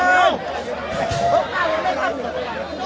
สวัสดีครับทุกคน